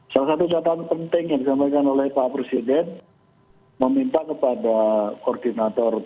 salah satu catatan penting yang disampaikan oleh pak presiden meminta kepada koordinator